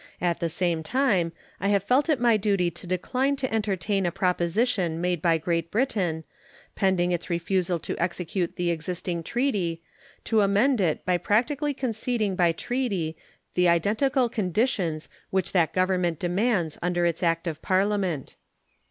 At the same time, I have felt it my duty to decline to entertain a proposition made by Great Britain, pending its refusal to execute the existing treaty, to amend it by practically conceding by treaty the identical conditions which that Government demands under its act of Parliament.